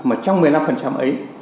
mà trong một mươi năm ấy